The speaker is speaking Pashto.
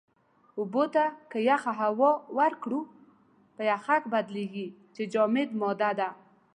اوبو ته که يخه هوا ورکړو، په يَخٔک بدلېږي چې جامده ماده ده.